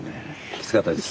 きつかったです。